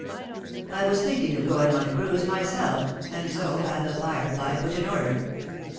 I was thinking of going on a cruise myself, and so had The Firefly put in order."